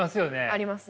ありますね。